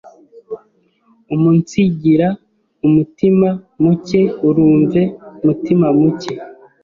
umunsigira umutima muke urumve mutima muke